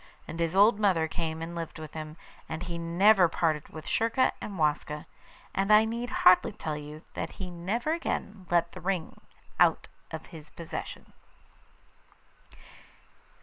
And his old mother came and lived with him, and he never parted with Schurka and Waska; and I need hardly tell you that he never again let the ring out of his possession.